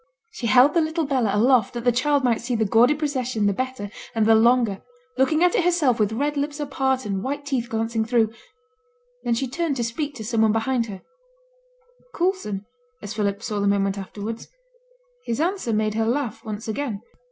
She held the little Bella aloft that the child might see the gaudy procession the better and the longer, looking at it herself with red lips apart and white teeth glancing through; then she turned to speak to some one behind her Coulson, as Philip saw the moment afterwards; his answer made her laugh once again.